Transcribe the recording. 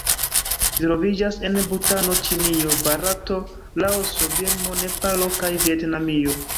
Ĝi troviĝas en Butano, Ĉinio, Barato, Laoso, Birmo, Nepalo kaj Vjetnamio.